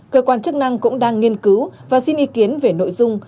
cơ quan chức năng cũng đang nghiên cứu và xin ý kiến về nội dung